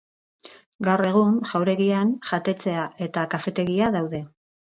Gaur egun jauregian jatetxea eta kafetegia daude.